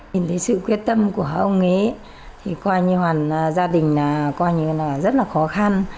nhìn thấy sự quyết tâm của ông ấy thì coi như hoàn gia đình là rất là khó khăn